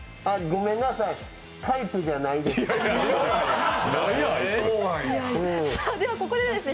ごめんなさい、タイプじゃないです。